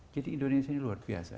jadi indonesia ini luar biasa